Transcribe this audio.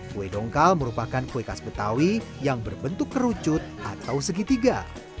kue dongkal merupakan kue khas betawi yang berbentuk kerucut atau segitiga